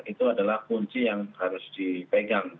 itu adalah kunci yang harus dipegang